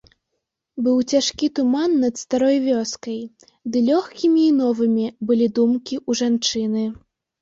Быў цяжкі туман над старой вёскай, ды лёгкімі і новымі былі думкі ў жанчыны.